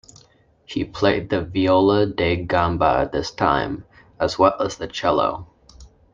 He played the viola da gamba at this time, as well as the cello.